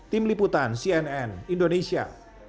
tim liputan cnn indonesia